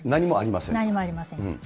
何もありません。